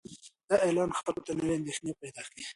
دا اعلان خلکو ته نوې اندېښنې پیدا کوي.